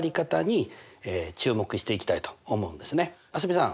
蒼澄さん。